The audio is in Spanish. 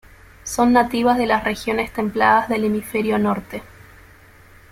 Son nativas de las regiones templadas del hemisferio norte.